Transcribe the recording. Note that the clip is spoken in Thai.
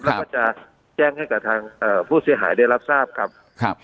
แล้วก็จะแจ้งให้กับทางผู้เสียหายได้รับทราบครับ